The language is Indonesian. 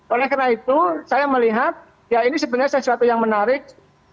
oleh karena itu saya melihat ya ini sebenarnya sesuatu yang menarik